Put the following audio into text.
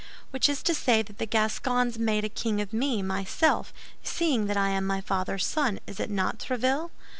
"Which is to say that the Gascons made a king of me, myself, seeing that I am my father's son, is it not, Tréville?